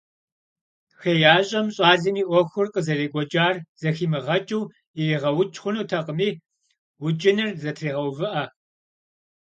ХеящӀэм щӀалэм и Ӏуэхур къызэрекӀуэкӀар зэхимыгъэкӀыу иригъэукӀ хъунутэкъыми, укӀыныр зэтрегъэувыӀэ.